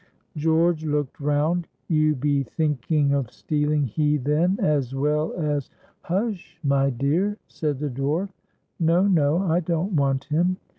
George looked round, "You be thinking of stealing he then, as well as"— "Hush, my dear," said the dwarf. "No, no, I don't want him.